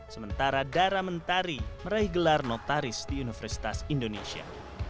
sementara dara mentari meraih gelar notaris di universitas indonesia